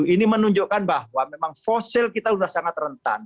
ini menunjukkan bahwa memang fosil kita sudah sangat rentan